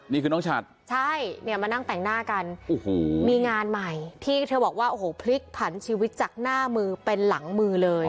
นี่คือน้องฉัดใช่เนี่ยมานั่งแต่งหน้ากันโอ้โหมีงานใหม่ที่เธอบอกว่าโอ้โหพลิกผันชีวิตจากหน้ามือเป็นหลังมือเลย